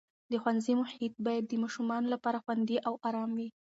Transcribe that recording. د ښوونځي محیط باید د ماشومانو لپاره خوندي او ارام وي.